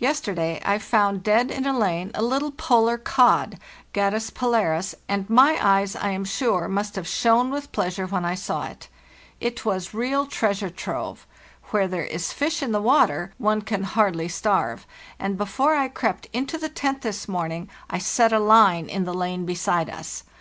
Yesterday I found dead in a lane a little polar cod (Gadus polaris), and my eyes, I am sure, must have shone with pleasure when I saw it. [It was real treasure trove. Where there is fish in the water one can hardly starve, and before I crept into the tent this morning I set a line in the lane beside us.